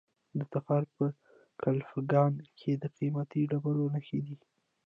د تخار په کلفګان کې د قیمتي ډبرو نښې دي.